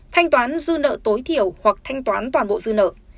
thanh toán dư nợ tối thiểu hoặc thanh toán toàn bộ dư nợ